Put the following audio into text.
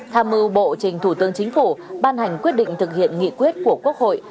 tham mưu bộ trình thủ tướng chính phủ ban hành quyết định thực hiện nghị quyết của quốc hội